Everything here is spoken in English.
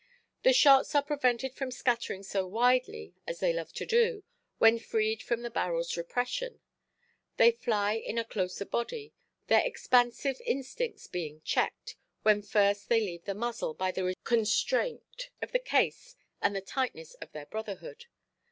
The shots are prevented from scattering so widely as they love to do, when freed from the barrelʼs repression. They fly in a closer body, their expansive instincts being checked, when first they leave the muzzle, by the constraint of the case and the tightness of their brotherhood.